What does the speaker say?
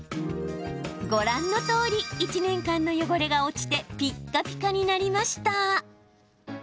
ご覧のとおり、１年間の汚れが落ちてピッカピカになりました。